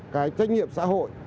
cái trách nhiệm xã hội